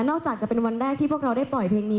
จากจะเป็นวันแรกที่พวกเราได้ปล่อยเพลงนี้